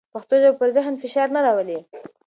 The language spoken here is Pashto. پښتو ژبه پر ذهن فشار نه راولي.